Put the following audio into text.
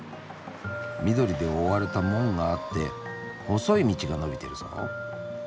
緑で覆われた門があって細い道が延びてるぞ。